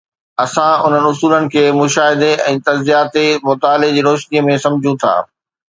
اسان انهن اصولن کي پنهنجي مشاهدي ۽ تجزياتي مطالعي جي روشنيءَ ۾ سمجهون ٿا